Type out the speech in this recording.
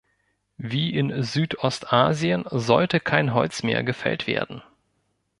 Wie in Südostasien, sollte kein Holz mehr gefällt werden.